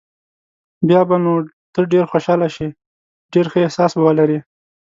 بیا به نو ته ډېر خوشاله شې، ډېر ښه احساس به ولرې.